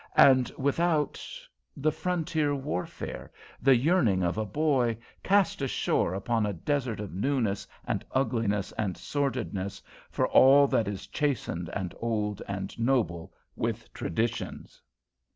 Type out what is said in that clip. And without the frontier warfare; the yearning of a boy, cast ashore upon a desert of newness and ugliness and sordidness, for all that is chastened and old, and noble with traditions.